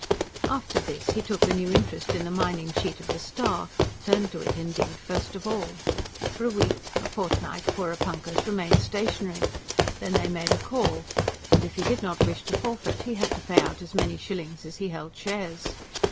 After this, he took a new interest in the mining sheet of the STAR; turned to it, indeed, first of all. For a week, a fortnight, "Porepunkahs" remained stationary; then they made a call, and, if he did not wish to forfeit, he had to pay out as many shillings as he held shares.